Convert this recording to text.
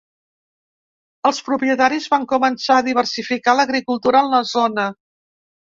Els propietaris van començar a diversificar l'agricultura en la zona.